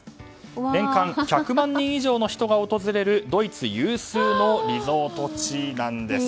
年間１００万人以上の人が訪れるドイツ有数のリゾート地なんです。